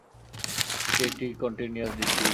এটি একটি continuous distribution.